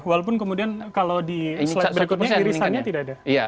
walaupun kemudian kalau di slide berikutnya irisannya tidak ada